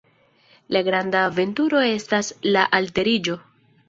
La granda aventuro estas la alteriĝo.